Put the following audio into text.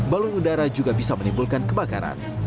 balon udara juga bisa menimbulkan kebakaran